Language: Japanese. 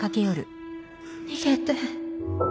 逃げて